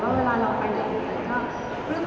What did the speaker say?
ที่มีความรู้สึกกว่าที่มีความรู้สึกกว่า